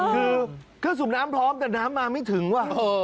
คือเครื่องสูบน้ำพร้อมแต่น้ำมาไม่ถึงว่ะ